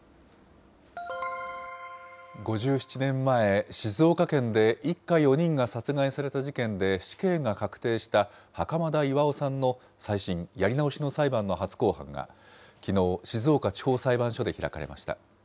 ５７年前、静岡県で一家４人が殺害された事件で死刑が確定した袴田巌さんの再審・やり直しの裁判の初公判がきのう、静岡地方裁判所で開かれました。